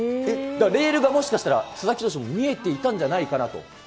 だからレールがもしかしたら佐々木投手も見えていたんじゃないかなと。